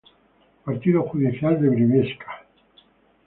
Partido judicial de Briviesca.